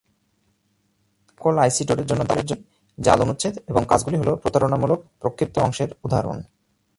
নকল-আইসিডোরের জন্য দায়ী জাল অনুচ্ছেদ এবং কাজগুলি হল প্রতারণামূলক প্রক্ষিপ্ত অংশের উদাহরণ।